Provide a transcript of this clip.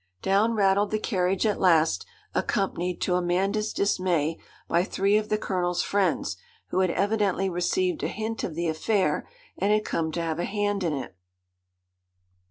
Down rattled the carriage at last, accompanied, to Amanda's dismay, by three of the Colonel's friends, who had evidently received a hint of the affair, and had come to have a hand in it.